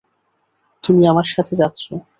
তুমি আমাদের সাথে যাচ্ছ।